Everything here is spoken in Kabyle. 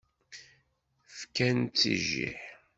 Fkan-tt i jjiḥ.